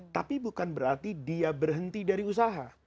tapi bukan berarti dia berhenti dari usaha